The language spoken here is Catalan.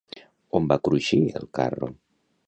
On va cruixir el carro?